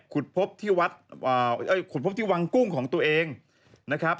ขุดพบที่วังกุ้งของตัวเองนะครับ